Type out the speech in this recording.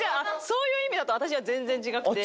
そういう意味だと私は全然違くて。